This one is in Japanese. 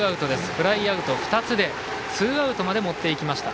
フライアウト２つでツーアウトまで持っていきました。